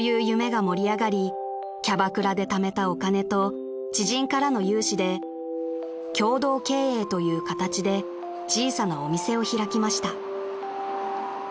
キャバクラでためたお金と知人からの融資で共同経営という形で小さなお店を開きました］